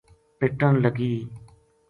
پِٹن لگی